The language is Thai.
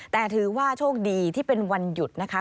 แต่ถือว่าโชคดีที่เป็นวันหยุดนะคะ